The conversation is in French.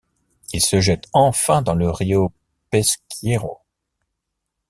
Il se jette enfin dans le rio Pesqueiro.